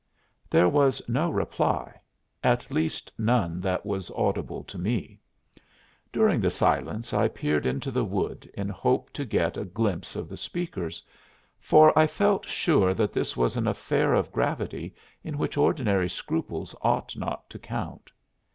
There was no reply, at least none that was audible to me. During the silence I peered into the wood in hope to get a glimpse of the speakers, for I felt sure that this was an affair of gravity in which ordinary scruples ought not to count.